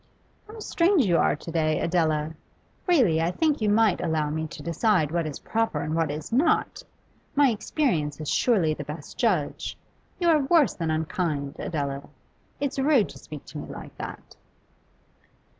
'How strange you are to day, Adela! Really, I think you might allow me to decide what is proper and what is not. My experience is surely the best judge. You are worse than unkind, Adela; it's rude to speak to me like that.